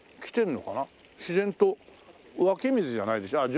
自然と湧き水じゃないでしょ？